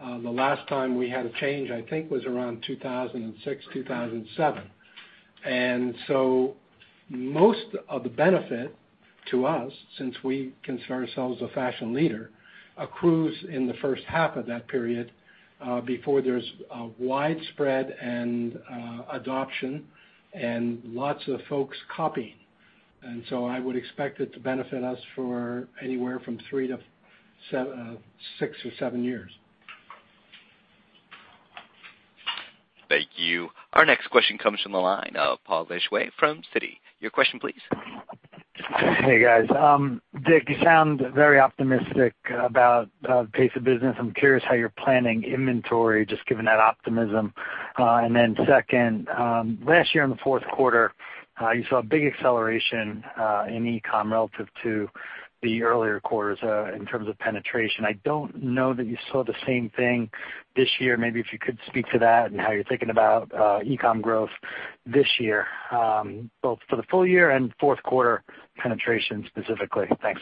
The last time we had a change, I think, was around 2006, 2007. Most of the benefit to us, since we consider ourselves a fashion leader, accrues in the first half of that period before there's widespread adoption and lots of folks copying. I would expect it to benefit us for anywhere from 3-6 or 7 years. Thank you. Our next question comes from the line of Paul Lejuez from Citi. Your question, please. Hey, guys. Dick, you sound very optimistic about the pace of business. I'm curious how you're planning inventory, just given that optimism. Second, last year in the fourth quarter, you saw a big acceleration in e-com relative to the earlier quarters in terms of penetration. I don't know that you saw the same thing this year. Maybe if you could speak to that and how you're thinking about e-com growth this year, both for the full year and fourth quarter penetration specifically. Thanks.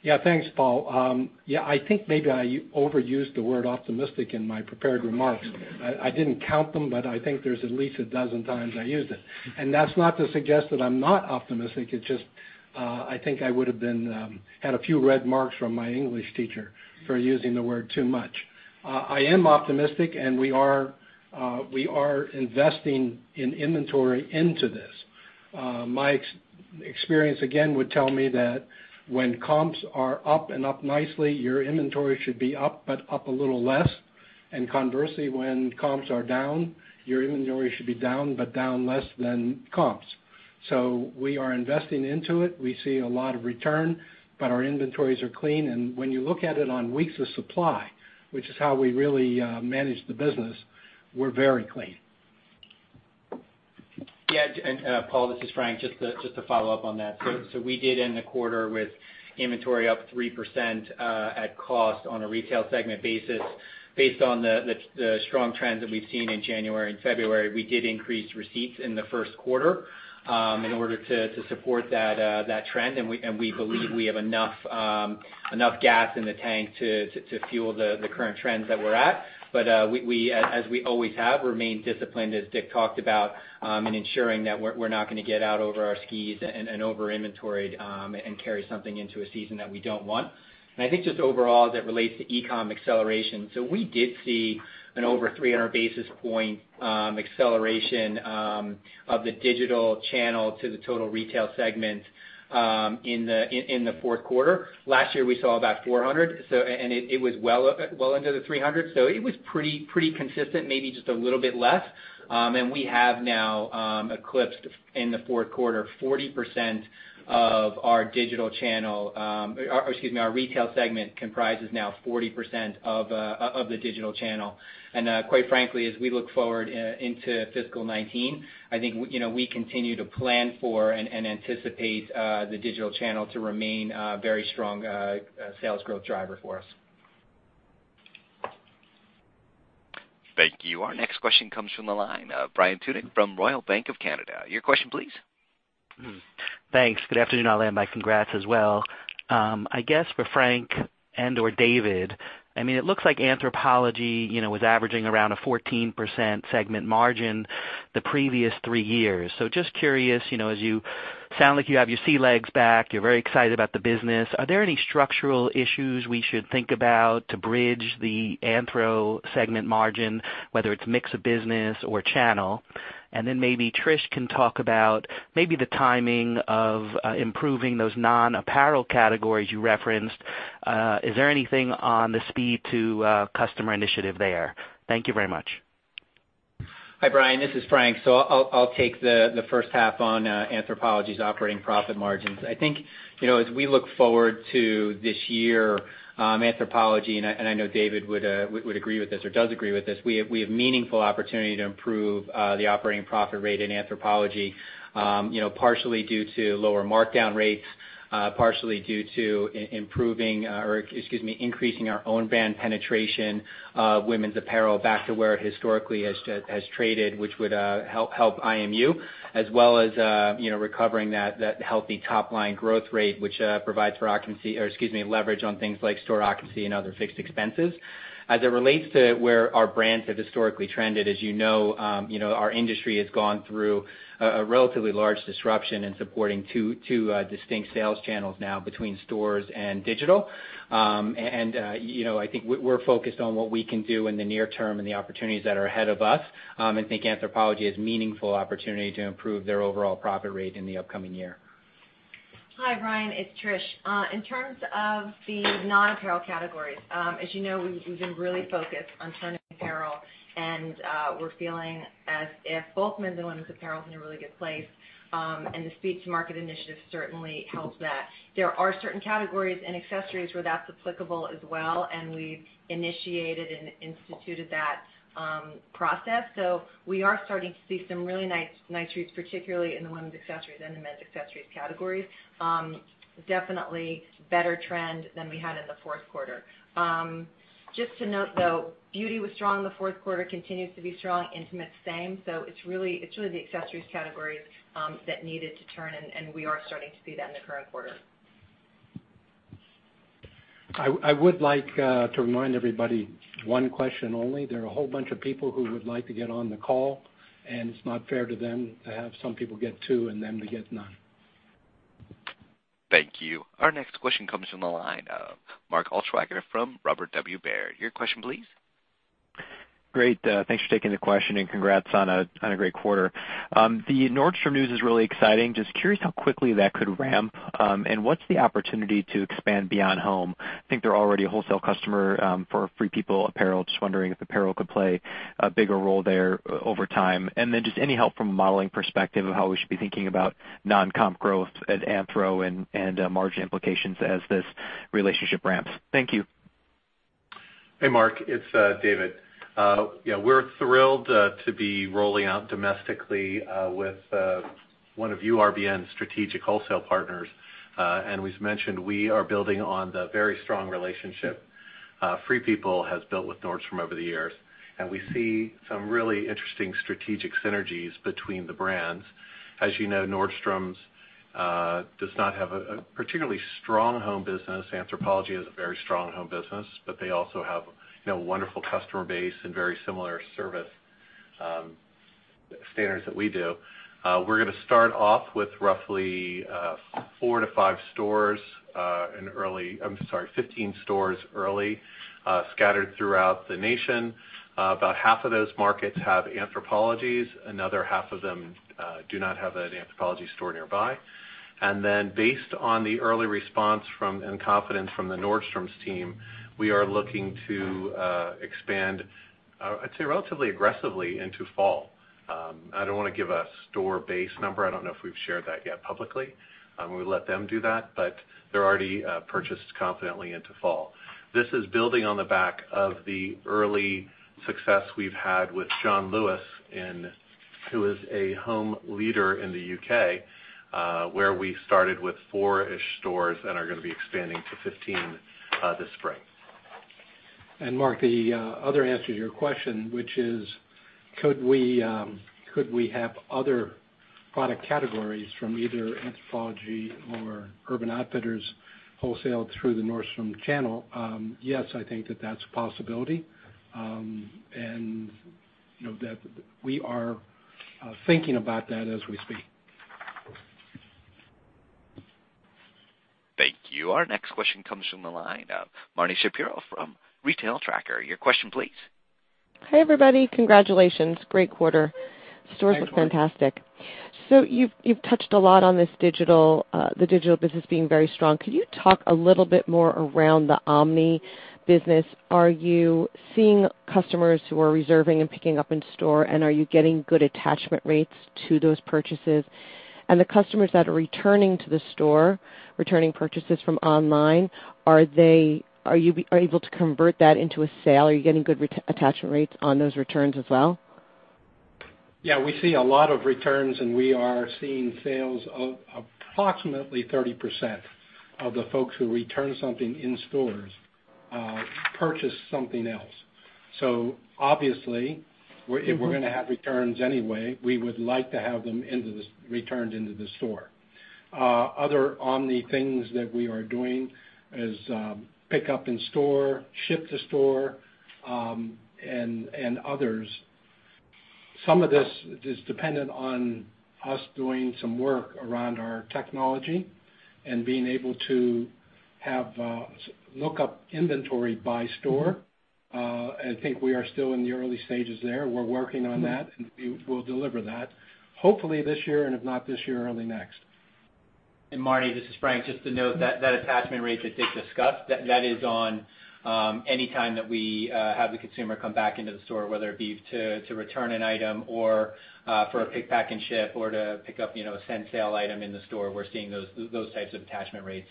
Yeah, thanks, Paul. I think maybe I overused the word optimistic in my prepared remarks. I didn't count them, but I think there's at least a dozen times I used it. That's not to suggest that I'm not optimistic. It's just, I think I would have had a few red marks from my English teacher for using the word too much. I am optimistic, and we are investing in inventory into this. My experience, again, would tell me that when comps are up and up nicely, your inventory should be up, but up a little less. Conversely, when comps are down, your inventory should be down, but down less than comps. We are investing into it. We see a lot of return, but our inventories are clean. When you look at it on weeks of supply, which is how we really manage the business, we're very clean. Paul, this is Frank, just to follow up on that. We did end the quarter with inventory up 3% at cost on a retail segment basis. Based on the strong trends that we've seen in January and February, we did increase receipts in the first quarter in order to support that trend, and we believe we have enough gas in the tank to fuel the current trends that we're at. As we always have, remain disciplined, as Dick talked about, in ensuring that we're not going to get out over our skis and over inventoried and carry something into a season that we don't want. I think just overall, as it relates to e-com acceleration, we did see an over 300 basis points acceleration of the digital channel to the total retail segment in the fourth quarter. Last year, we saw about 400, and it was well under the 400, around 300. It was pretty consistent, maybe just a little bit less. We have now eclipsed in the fourth quarter, our retail segment comprises now 40% of the digital channel. Quite frankly, as we look forward into FY '19, I think we continue to plan for and anticipate the digital channel to remain a very strong sales growth driver for us. Thank you. Our next question comes from the line of Brian Tunick from Royal Bank of Canada. Your question, please. Thanks. Good afternoon, all. My congrats as well. I guess for Frank and/or David, it looks like Anthropologie was averaging around a 14% segment margin the previous three years. Just curious, as you sound like you have your sea legs back, you're very excited about the business. Are there any structural issues we should think about to bridge the Anthro segment margin, whether it's mix of business or channel? Then maybe Trish can talk about maybe the timing of improving those non-apparel categories you referenced. Is there anything on the speed to customer initiative there? Thank you very much. Hi, Brian. This is Frank. I'll take the first half on Anthropologie's operating profit margins. I think as we look forward to this year, Anthropologie, and I know David would agree with this, or does agree with this, we have meaningful opportunity to improve the operating profit rate in Anthropologie. Partially due to lower markdown rates, partially due to improving or, excuse me, increasing our own brand penetration of women's apparel back to where it historically has traded, which would help IMU, as well as recovering that healthy top-line growth rate, which provides for leverage on things like store occupancy and other fixed expenses. As it relates to where our brands have historically trended, as you know, our industry has gone through a relatively large disruption in supporting two distinct sales channels now between stores and digital. I think we're focused on what we can do in the near term and the opportunities that are ahead of us. I think Anthropologie has meaningful opportunity to improve their overall profit rate in the upcoming year. Hi, Brian. It's Trish. In terms of the non-apparel categories, as you know, we've been really focused on turning apparel, and we're feeling as if both men's and women's apparel is in a really good place. The Speed to Market initiative certainly helps that. There are certain categories and accessories where that's applicable as well, and we've initiated and instituted that process. We are starting to see some really nice shoots, particularly in the women's accessories and the men's accessories categories. Definitely better trend than we had in the fourth quarter. Just to note, though, beauty was strong in the fourth quarter, continues to be strong. Intimates, same. It's really the accessories categories that needed to turn, and we are starting to see that in the current quarter. I would like to remind everybody, one question only. There are a whole bunch of people who would like to get on the call, and it's not fair to them to have some people get two and them to get none. Thank you. Our next question comes from the line of Mark Altschwager from Robert W. Baird. Your question, please. Great. Thanks for taking the question, congrats on a great quarter. The Nordstrom news is really exciting. Just curious how quickly that could ramp. What's the opportunity to expand beyond home? I think they're already a wholesale customer for Free People apparel. Just wondering if apparel could play a bigger role there over time. Then just any help from a modeling perspective of how we should be thinking about non-comp growth at Anthro and margin implications as this relationship ramps. Thank you. Hey, Mark, it's David. Yeah, we're thrilled to be rolling out domestically with one of URBN's strategic wholesale partners. We've mentioned we are building on the very strong relationship Free People has built with Nordstrom over the years. We see some really interesting strategic synergies between the brands. As you know, Nordstrom does not have a particularly strong home business. Anthropologie is a very strong home business, but they also have a wonderful customer base and very similar service standards that we do. We're going to start off with roughly 15 stores early, scattered throughout the nation. About half of those markets have Anthropologies. Another half of them do not have that Anthropologie store nearby. Then based on the early response from, and confidence from the Nordstrom team, we are looking to expand, I'd say, relatively aggressively into fall. I don't want to give a store base number. I don't know if we've shared that yet publicly. We let them do that, but they're already purchased confidently into fall. This is building on the back of the early success we've had with John Lewis, who is a home leader in the U.K., where we started with four-ish stores and are going to be expanding to 15 this spring. Mark, the other answer to your question, which is could we have other product categories from either Anthropologie or Urban Outfitters wholesale through the Nordstrom channel? Yes, I think that that's a possibility, and that we are thinking about that as we speak. Thank you. Our next question comes from the line of Marni Shapiro from The Retail Tracker. Your question, please. Hi, everybody. Congratulations. Great quarter. Thanks, Marni. Stores look fantastic. You've touched a lot on the digital business being very strong. Could you talk a little bit more around the omni business? Are you seeing customers who are reserving and picking up in store, and are you getting good attachment rates to those purchases? And the customers that are returning to the store, returning purchases from online, are you able to convert that into a sale? Are you getting good attachment rates on those returns as well? Yeah, we see a lot of returns, and we are seeing sales of approximately 30% of the folks who return something in stores purchase something else. Obviously, if we're going to have returns anyway, we would like to have them returned into the store. Other omni things that we are doing is pick up in store, ship to store, and others. Some of this is dependent on us doing some work around our technology and being able to look up inventory by store. I think we are still in the early stages there. We're working on that, and we'll deliver that hopefully this year, and if not this year, early next. Marni, this is Frank. Just to note, that attachment rate that Dick discussed, that is on any time that we have the consumer come back into the store, whether it be to return an item or for a pick, pack, and ship, or to pick up a send sale item in the store. We're seeing those types of attachment rates.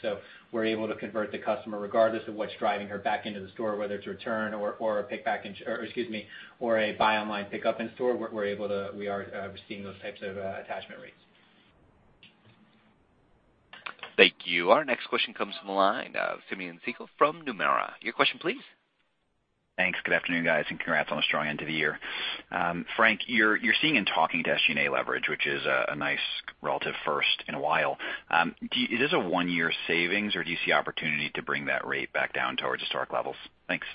We're able to convert the customer regardless of what's driving her back into the store, whether it's return or a buy online, pick up in store. We are seeing those types of attachment rates. Thank you. Our next question comes from the line of Simeon Siegel from Nomura. Your question, please. Thanks. Good afternoon, guys, and congrats on a strong end to the year. Frank, you're seeing and talking to SG&A leverage, which is a nice relative first in a while. Is this a one-year savings, or do you see opportunity to bring that rate back down towards historic levels? Thanks.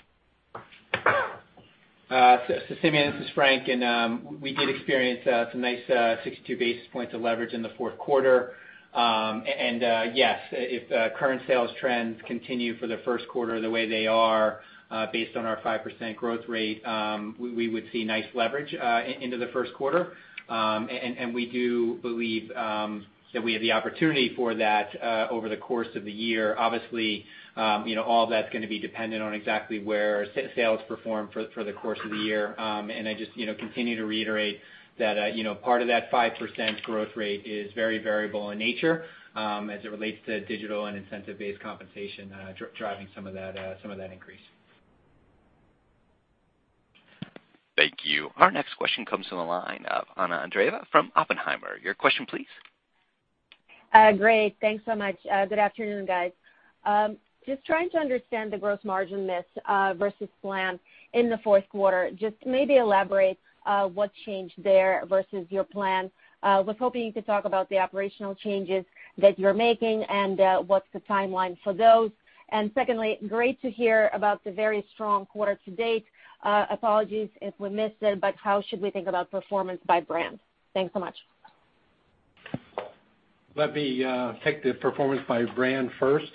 Simeon, this is Frank. We did experience some nice 62 basis points of leverage in the fourth quarter. Yes, if current sales trends continue for the first quarter the way they are, based on our 5% growth rate, we would see nice leverage into the first quarter. We do believe that we have the opportunity for that over the course of the year. Obviously, all that's going to be dependent on exactly where sales perform for the course of the year. I just continue to reiterate that part of that 5% growth rate is very variable in nature as it relates to digital and incentive-based compensation driving some of that increase. Thank you. Our next question comes from the line of Anna Andreeva from Oppenheimer. Your question, please. Great. Thanks so much. Good afternoon, guys. Just trying to understand the gross margin miss versus plan in the fourth quarter. Just maybe elaborate what changed there versus your plan. Was hoping you could talk about the operational changes that you're making and what's the timeline for those. Secondly, great to hear about the very strong quarter to date. Apologies if we missed it, but how should we think about performance by brand? Thanks so much. Let me take the performance by brand first.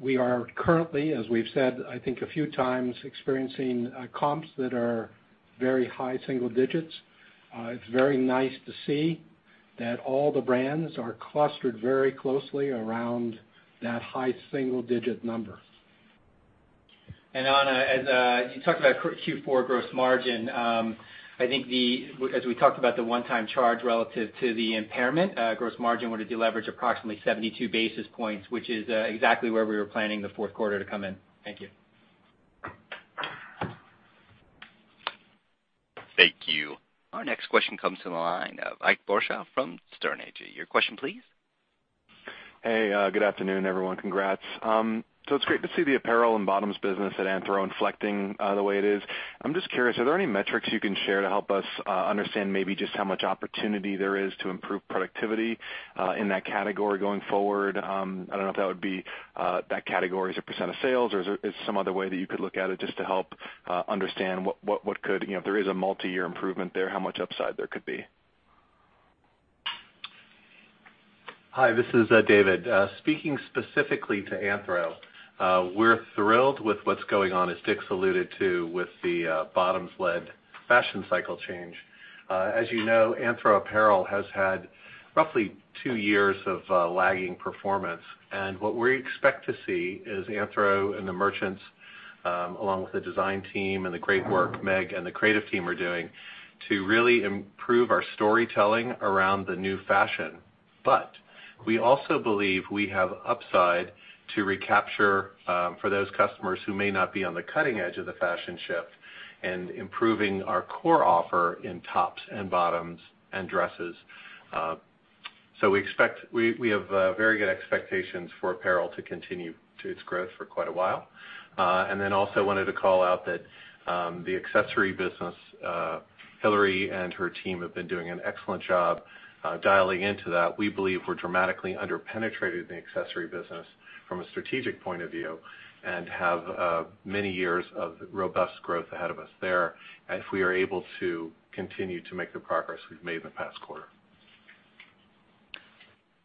We are currently, as we've said, I think a few times, experiencing comps that are very high single digits. It's very nice to see that all the brands are clustered very closely around that high single-digit number. Anna, as you talked about Q4 gross margin, I think as we talked about the one-time charge relative to the impairment, gross margin were to deleverage approximately 72 basis points, which is exactly where we were planning the fourth quarter to come in. Thank you. Thank you. Our next question comes from the line of Ike Boruchow from Sterne Agee. Your question, please. Hey, good afternoon, everyone. Congrats. It's great to see the apparel and bottoms business at Anthro inflecting the way it is. I'm just curious, are there any metrics you can share to help us understand maybe just how much opportunity there is to improve productivity in that category going forward? I don't know if that would be that category as a % of sales, or is there some other way that you could look at it just to help understand what could, if there is a multi-year improvement there, how much upside there could be? Hi, this is David. Speaking specifically to Anthro, we're thrilled with what's going on, as Dick alluded to, with the bottoms-led fashion cycle change. As you know, Anthro apparel has had roughly two years of lagging performance. What we expect to see is Anthro and the merchants, along with the design team and the great work Meg and the creative team are doing to really improve our storytelling around the new fashion. We also believe we have upside to recapture for those customers who may not be on the cutting edge of the fashion shift and improving our core offer in tops and bottoms and dresses. We have very good expectations for apparel to continue its growth for quite a while. Then also wanted to call out that the accessory business, Hillary and her team have been doing an excellent job dialing into that. We believe we're dramatically under-penetrated in the accessory business from a strategic point of view and have many years of robust growth ahead of us there if we are able to continue to make the progress we've made in the past quarter.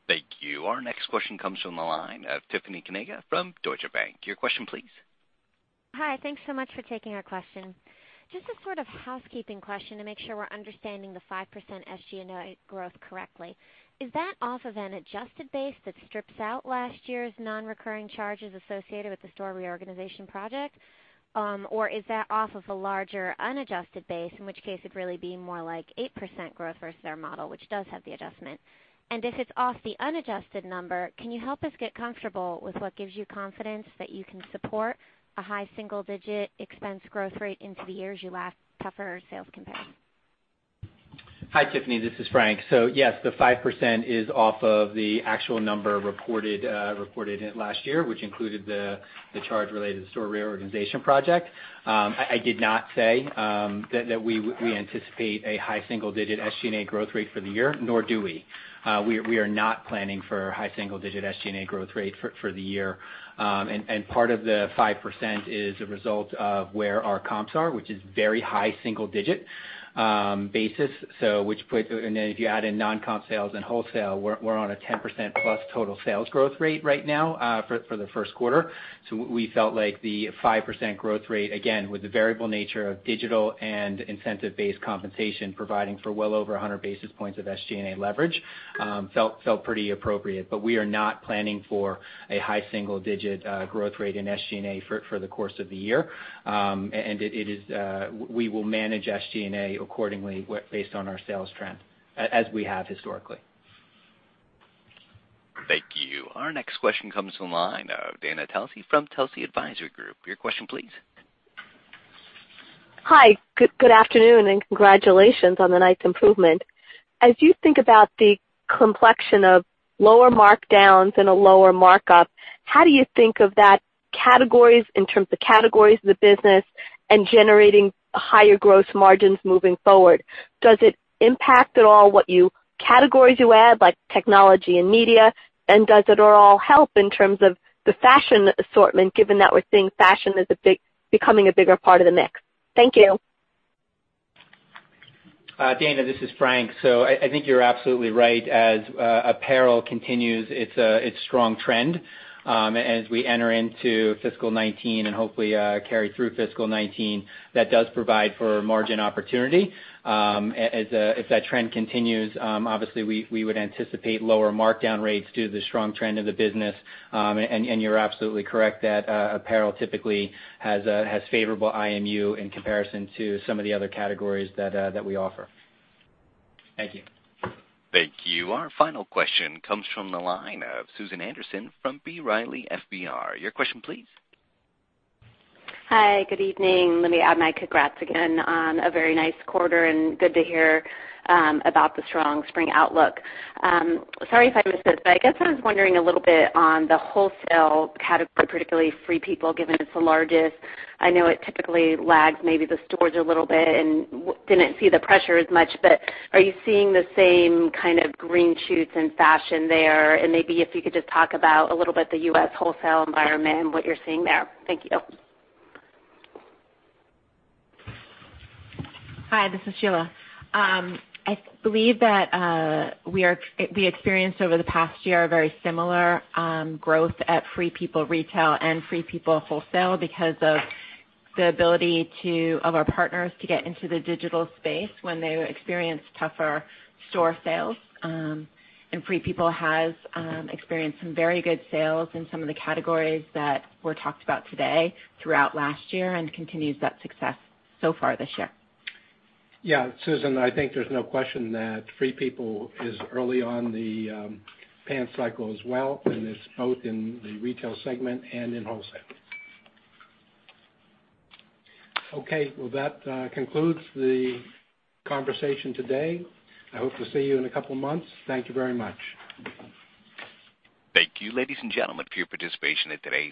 Thank you. Our next question comes from the line of Tiffany Kanaga from Deutsche Bank. Your question, please. Hi. Thanks so much for taking our question. Just a sort of housekeeping question to make sure we're understanding the 5% SG&A growth correctly. Is that off of an adjusted base that strips out last year's non-recurring charges associated with the store reorganization project? Is that off of a larger unadjusted base, in which case it'd really be more like 8% growth versus their model, which does have the adjustment. If it's off the unadjusted number, can you help us get comfortable with what gives you confidence that you can support a high single-digit expense growth rate into the years you lack tougher sales comparisons? Hi, Tiffany. This is Frank. Yes, the 5% is off of the actual number reported last year, which included the charge related to the store reorganization project. I did not say that we anticipate a high single-digit SG&A growth rate for the year, nor do we. We are not planning for a high single-digit SG&A growth rate for the year. Part of the 5% is a result of where our comps are, which is very high single-digit basis. If you add in non-comp sales and wholesale, we're on a 10% plus total sales growth rate right now for the first quarter. We felt like the 5% growth rate, again, with the variable nature of digital and incentive-based compensation providing for well over 100 basis points of SG&A leverage felt pretty appropriate. We are not planning for a high single-digit growth rate in SG&A for the course of the year. We will manage SG&A accordingly based on our sales trend as we have historically. Thank you. Our next question comes from the line of Dana Telsey from Telsey Advisory Group. Your question, please. Hi, good afternoon, congratulations on the nice improvement. As you think about the complexion of lower markdowns and a lower markup, how do you think of that in terms of categories of the business and generating higher gross margins moving forward? Does it impact at all what categories you add, like technology and media? Does it at all help in terms of the fashion assortment, given that we're seeing fashion as becoming a bigger part of the mix? Thank you. Dana, this is Frank. I think you're absolutely right. As apparel continues its strong trend as we enter into fiscal 2019, hopefully carry through fiscal 2019, that does provide for margin opportunity. If that trend continues, obviously we would anticipate lower markdown rates due to the strong trend of the business. You're absolutely correct that apparel typically has favorable IMU in comparison to some of the other categories that we offer. Thank you. Thank you. Our final question comes from the line of Susan Anderson from B. Riley FBR. Your question please. Hi. Good evening. Let me add my congrats again on a very nice quarter, and good to hear about the strong spring outlook. Sorry if I missed this, but I guess I was wondering a little bit on the wholesale category, particularly Free People, given it's the largest. I know it typically lags maybe the stores a little bit and didn't see the pressure as much, but are you seeing the same kind of green shoots in fashion there? Maybe if you could just talk about a little bit the U.S. wholesale environment and what you're seeing there. Thank you. Hi. This is Sheila. I believe that we experienced over the past year a very similar growth at Free People retail and Free People wholesale because of the ability of our partners to get into the digital space when they experienced tougher store sales. Free People has experienced some very good sales in some of the categories that were talked about today, throughout last year, and continues that success so far this year. Yeah. Susan, I think there's no question that Free People is early on the pants cycle as well, and it's both in the retail segment and in wholesale. Okay, well, that concludes the conversation today. I hope to see you in a couple of months. Thank you very much. Thank you, ladies and gentlemen, for your participation in today's